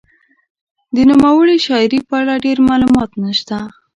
د نوموړې شاعرې په اړه ډېر معلومات نشته.